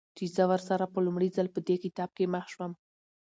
چې زه ورسره په لومړي ځل په دې کتاب کې مخ شوم.